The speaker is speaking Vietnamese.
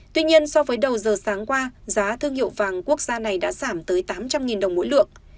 tuy nhiên so với đầu giờ sáng qua giá thương hiệu vàng quốc gia này đã giảm tới tám trăm linh đồng mỗi lượng